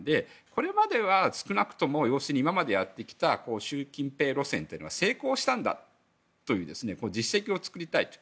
これまでは少なくとも今までやってきた習近平路線は成功したんだという実績を作りたいと。